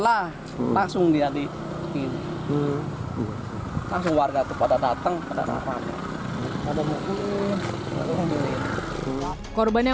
lah langsung dia di sini langsung warga tepat datang pada tangan ada mungkin korban yang